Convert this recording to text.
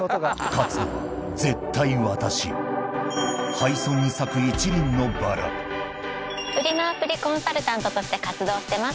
廃村に咲く一輪のバラフリマアプリコンサルタントとして活動してます